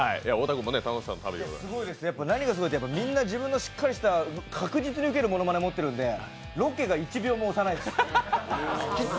何がすごいって、みんな自分の、しっかりした確実にウケるのを持ってるのでロケが１秒も押さないです。